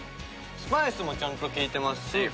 スパイスもちゃんと利いてますし。